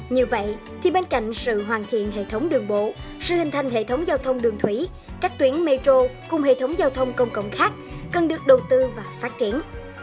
như vậy thì bên cạnh sự hoàn thiện hệ thống đường bộ sự hình thành hệ thống giao thông đường thủy các tuyến metro cùng hệ thống giao thông công cộng khác cần được đầu tư và phát triển